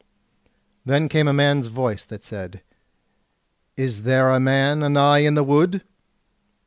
Then came a man's voice that said: "Is there a man anigh in the wood?"